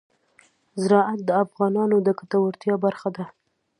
زراعت د افغانانو د ګټورتیا برخه ده.